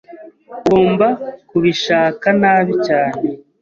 Ugomba kubishaka nabi cyane.